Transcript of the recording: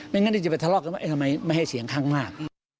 งั้นที่จะไปทะเลาะกันว่าทำไมไม่ให้เสียงข้างมาก